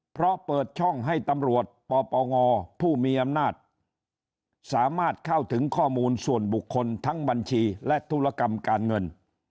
เพราะเปิดช่องให้ตำรวจปปงผู้มีอำนาจสามารถเข้าถึงข้อมูลส่วนบุคคลทั้งบัญชีและธุรกรรมการเงิน